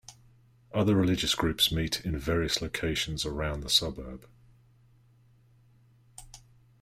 Other religious groups meet in various locations around the suburb.